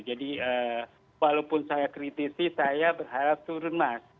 jadi walaupun saya kritisi saya berharap turun mas